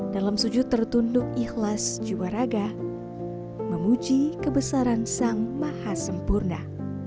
dalam sujud tertunduk ikhlas jiwa raga memuji kebesaran sang maha sempurna